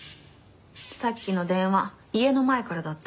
さっきの電話家の前からだったの。